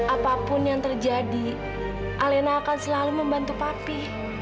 apapun yang terjadi alena akan selalu membantu papi